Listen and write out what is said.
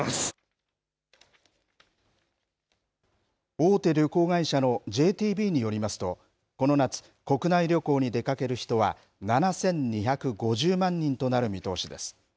大手旅行会社のＪＴＢによりますとこの夏、国内旅行に出かける人は７２５０万人となる見通しです。